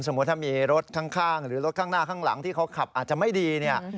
ถ้ามีรถข้างหรือรถข้างหน้าข้างหลังที่เขาขับอาจจะไม่ดีเนี่ย